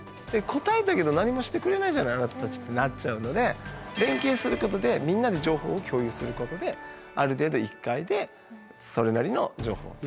答えたけど何もしてくれないじゃないあなたたちってなっちゃうので連携することでみんなで情報を共有することである程度１回でそれなりの情報。